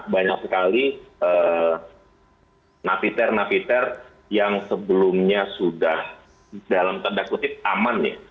banyak sekali nafiter nafiter yang sebelumnya sudah dalam tanda kutip aman